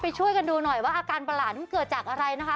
ช่วยกันดูหน่อยว่าอาการประหลาดมันเกิดจากอะไรนะคะ